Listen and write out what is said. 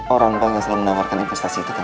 orang banyak selalu menawarkan investasi itu kan